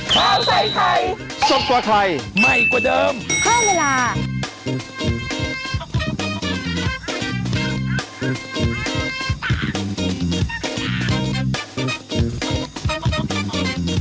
พักสิทำไมแรง